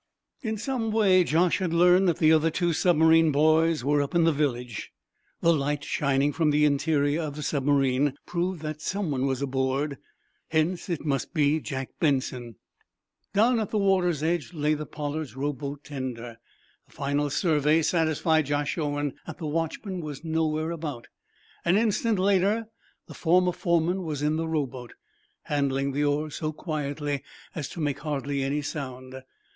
In some way Josh had learned that the other two submarine boys were up in the village. The lights shining from the interior of the submarine proved that someone was aboard. Hence it must be Jack Benson. Down at the water's edge lay the "Pollard's" rowboat tender. A final survey satisfied Josh Owen that the watchman was nowhere about. An instant later the former foreman was in the rowboat, handling the oars so quietly as to make hardly any sound.